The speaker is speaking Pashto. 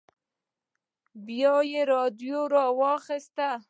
بيا يې راډيو ور واخيسته.